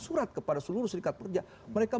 surat kepada seluruh serikat pekerja mereka